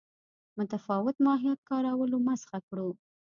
متفاوت ماهیت کارولو مسخه کړو.